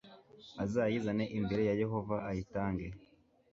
azayizane imbere ya yehova ayitange